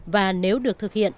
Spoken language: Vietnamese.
và nếu được thực hiện